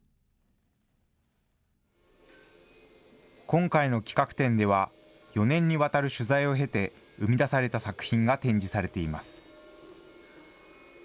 今回の企画展では、４年にわたる取材を経て生み出された作品が展示されています。